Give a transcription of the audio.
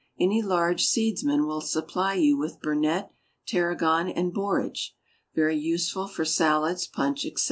Any large seedsman will supply you with burnet, tarragon, and borage (very useful for salads, punch, etc.)